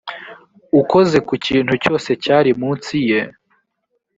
ukoze ku kintu cyose cyari munsi ye